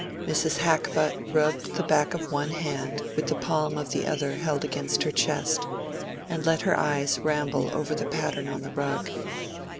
Mrs. Hackbutt rubbed the back of one hand with the palm of the other held against her chest, and let her eyes ramble over the pattern on the rug.